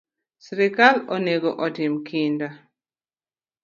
Sirkal onego otim kinda